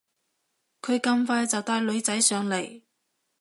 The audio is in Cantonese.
佢咁快就帶女仔上嚟